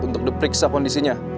untuk diperiksa kondisinya